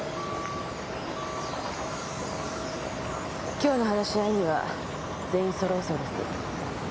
今日の話し合いには全員そろうそうです。